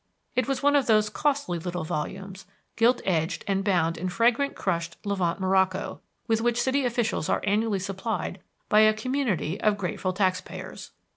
It was one of those costly little volumes gilt edged and bound in fragrant crushed Levant morocco with which city officials are annually supplied by a community of grateful taxpayers.